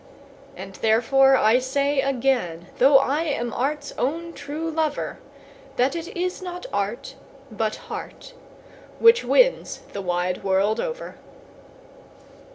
And therefore I say again, though I am art's own true lover, That it is not art, but heart, which wins the wide world over.